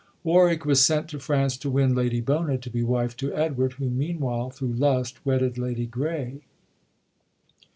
Warwick was sent to France to win Lady Bona to be wife to Edward, who meanwhile, thru lust, wedded Lady Grey.